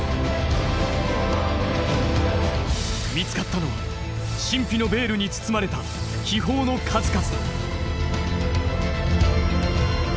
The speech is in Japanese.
見つかったのは神秘のベールに包まれた秘宝の数々だ。